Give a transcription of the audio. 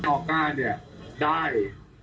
ออก้าเนี่ยได้